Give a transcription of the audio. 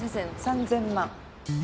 ３，０００万。